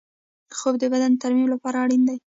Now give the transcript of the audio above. خوب د بدن د ترمیم لپاره اړین دی